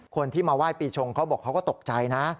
คนที่มาไหว้ปีชงเขาบอกเขาก็ตกใจนะ